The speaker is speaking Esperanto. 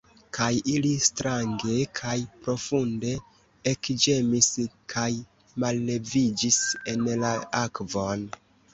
Kaj ili strange kaj profunde ekĝemis kaj malleviĝis en la akvon.